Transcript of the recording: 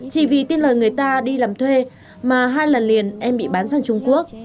chỉ vì tin lời người ta đi làm thuê mà hai lần liền em bị bán sang trung quốc